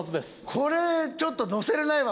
これちょっとのせれないは